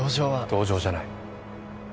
同情じゃない。